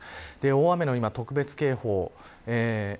大雨の特別警報